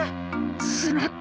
しまった！